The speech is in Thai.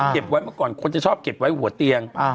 เก็บไว้เมื่อก่อนคนจะชอบเก็บไว้หัวเตียง